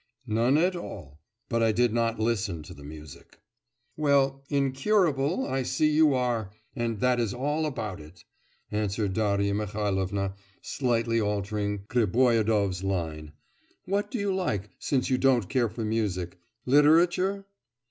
'None at all, but I did not listen to the music.' 'Well, "incurable I see you are, and that is all about it,"' answered Darya Mihailovna, slightly altering Griboyedov's line. 'What do you like, since you don't care for music? Literature?